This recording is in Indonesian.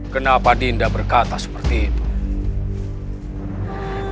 kenapa dinda berkata seperti itu